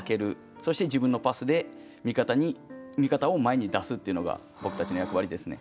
そして自分のパスで味方を前に出すっていうのが僕たちの役割ですね。